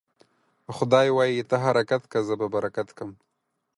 خداى وايي: ته حرکت که ، زه به برکت کم.